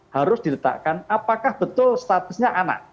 harus diletakkan apakah betul statusnya anak